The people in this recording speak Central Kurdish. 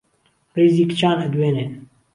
ڕیزی کچان ئەدوێنێ